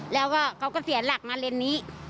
แล้วก็เขาก็เสียหลักมาเลนนี้